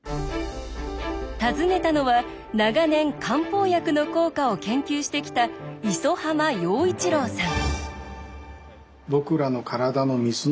訪ねたのは長年漢方薬の効果を研究してきた礒濱洋一郎さん。